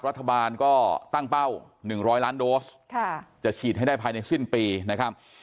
รัฐบาลก็ตั้งเป้า๑๐๐ล้านโดสจะฉีดให้ได้ภายในสิ้นปีนะครับ